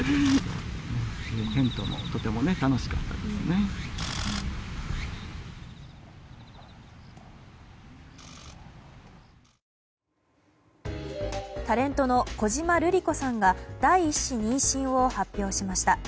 本麒麟タレントの小島瑠璃子さんが第１子妊娠を発表しました。